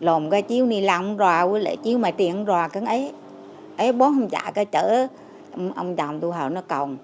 lồn cái chiếu này làm không rò với lại chiếu mà tiền không rò con ấy ấy bố không trả cái chở ông chồng tôi hầu nó còn